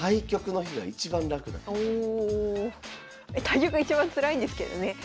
対局が一番つらいんですけどね。